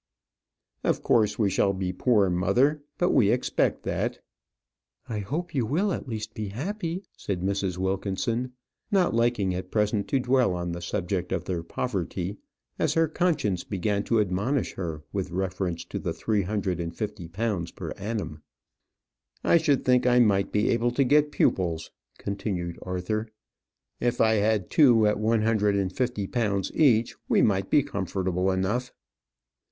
"Of course we shall be poor, mother; but we expect that." "I hope you will, at least, be happy," said Mrs. Wilkinson, not liking at present to dwell on the subject of their poverty, as her conscience began to admonish her with reference to the three hundred and fifty pounds per annum. "I should think I might be able to get pupils," continued Arthur. "If I had two at one hundred and fifty pounds each, we might be comfortable enough."